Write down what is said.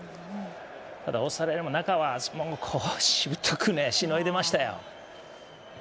ただ、オーストラリアも中は本当しぶとくしのいでましたよ。